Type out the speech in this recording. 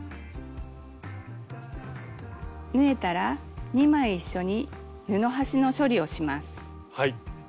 縫えたら２枚一緒に布端の処理をします。